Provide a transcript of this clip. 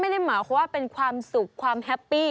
ไม่ได้หมายความว่าเป็นความสุขความแฮปปี้